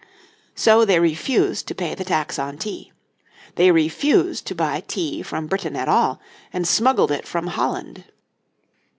So they refused to pay the tax on tea. They refused to buy tea from Britain at all, and smuggled it from Holland.